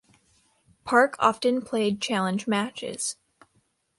Park often played challenge matches.